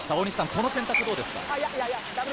この選択どうですか？